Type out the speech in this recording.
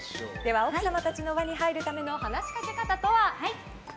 奥様たちの輪に入るための話しかけ方とは？